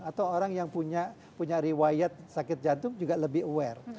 atau orang yang punya riwayat sakit jantung juga lebih aware